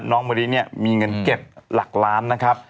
น้องมารีมีเงินเก็บหลักล้าน